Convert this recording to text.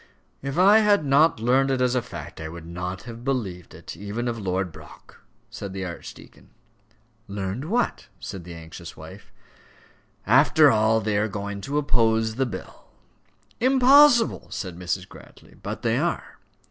"If I had not learned it as fact, I would not have believed it, even of Lord Brock," said the archdeacon. "Learned what?" said the anxious wife. "After all, they are going to oppose the bill." "Impossible!" said Mrs. Grantly. "But they are."